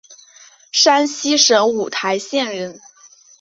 山西省五台县人。